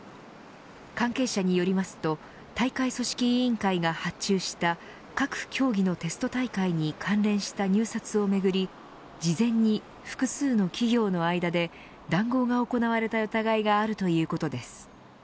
関係者によりますと大会組織委員会が発注した各競技のテスト大会に関連した入札をめぐり事前に複数の企業の間で談合が行われた疑いがあるということです。